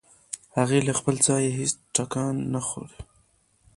هغې له خپل ځايه هېڅ ټکان نه خوړ.